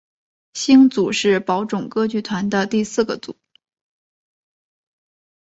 星组是宝冢歌剧团的第四个组。